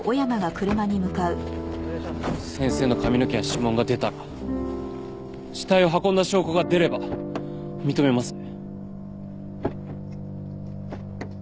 先生の髪の毛や指紋が出たら死体を運んだ証拠が出れば認めますね？